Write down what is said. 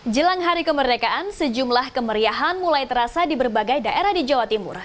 jelang hari kemerdekaan sejumlah kemeriahan mulai terasa di berbagai daerah di jawa timur